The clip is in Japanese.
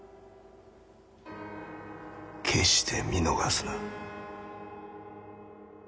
決して見逃すな。